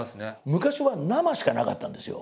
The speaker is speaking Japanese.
昔は生しかなかったんですよ。